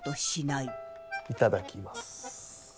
いただきます。